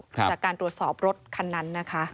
จากการตรวจสอบรถคันนั้นนะคะ